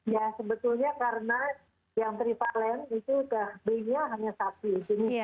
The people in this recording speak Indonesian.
ya sebetulnya karena yang trivalen itu sudah b nya hanya satu